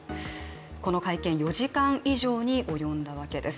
この会見、４時間以上に及んだわけです。